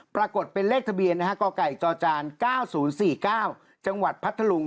ปรากฏเป็นเลขทะเบียนกไก่จจ๙๐๔๙จังหวัดพัทธลุง